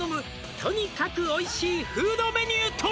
「とにかくおいしいフードメニューとは」